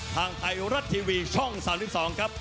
ทางไทยรัฐทีวีช่อง๓๒ครับ